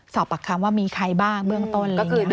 สอบปากคำว่ามีใครบ้างเบื้องต้นก็คือ